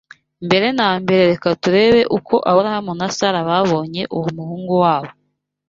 Mbere na mbere reka turebe uko Aburahamu na Sara babonye uwo muhungu wabo